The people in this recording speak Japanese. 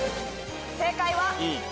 正解は。